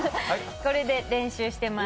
これで練習してます。